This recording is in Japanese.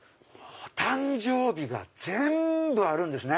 誕生日が全部あるんですね。